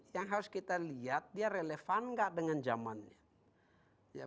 yang harus kita lihat dia relevan nggak dengan zamannya